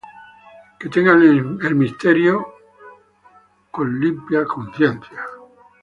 Que tengan el misterio de la fe con limpia conciencia.